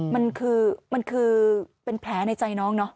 มันคือเป็นแผลในใจน้องเนอะ